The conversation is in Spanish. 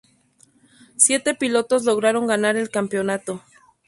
Siete pilotos lograron ganar el campeonato.